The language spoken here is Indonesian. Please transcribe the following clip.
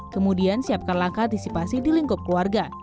kemudian siapkan langkah antisipasi di lingkup keluarga